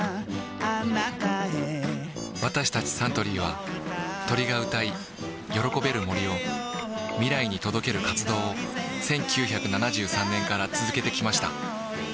私たちサントリーは鳥が歌い喜べる森を未来に届ける活動を１９７３年から続けてきました